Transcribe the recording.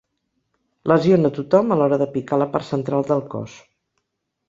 Lesiona tothom a l'hora de picar la part central del cos.